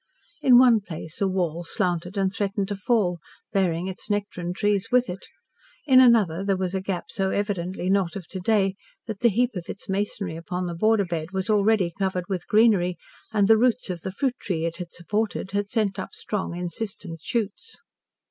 In one place a wall slanted and threatened to fall, bearing its nectarine trees with it; in another there was a gap so evidently not of to day that the heap of its masonry upon the border bed was already covered with greenery, and the roots of the fruit tree it had supported had sent up strong, insistent shoots.